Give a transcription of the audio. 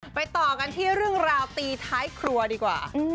ต่อกันที่เรื่องราวตีท้ายครัวดีกว่า